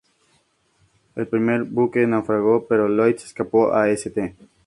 El primer buque naufragó, pero Lloyd se escapó a St.